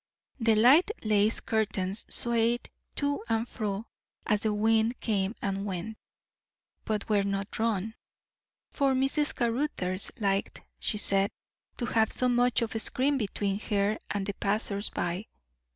The light lace curtains swayed to and fro as the wind came and went, but were not drawn; for Mrs. Caruthers liked, she said, to have so much of a screen between her and the passers by.